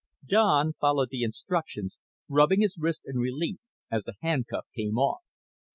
Don followed the instructions, rubbing his wrist in relief as the handcuff came off.